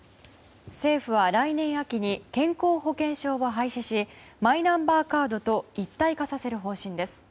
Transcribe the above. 政府は来年秋に健康保険証を廃止しマイナンバーカードと一体化させる方針です。